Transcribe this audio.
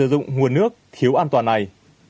nếu dùng nguồn nước thiếu an toàn này